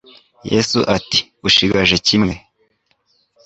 Yesu ati: « Ushigaje kimwe!